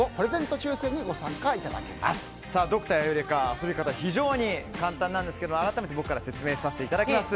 遊び方、非常に簡単なんですが改めて僕から説明させていただきます。